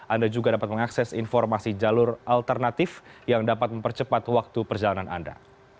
anda juga dapat mengakses informasi jalur alternatif yang dapat mempercepat waktu perjalanan anda